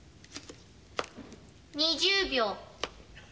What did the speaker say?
２０秒。